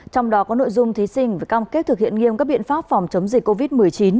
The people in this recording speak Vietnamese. trong đó có nội dung thí sinh cam kết thực hiện nghiêm các biện pháp phòng chống dịch covid một mươi chín